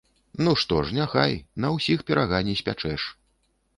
Ну, што ж, няхай, на ўсіх пірага не спячэш.